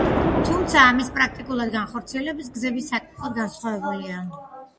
თუმცა, ამის პრაქტიკულად განხორციელების გზები საკმაოდ განსხვავებულია.